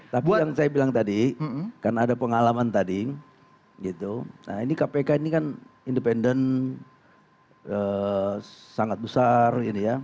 tapi yang saya bilang tadi karena ada pengalaman tadi ini kpk ini kan independen sangat besar